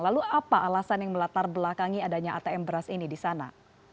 lalu apa alasan yang melatar belakangi adanya atm beras ini di sana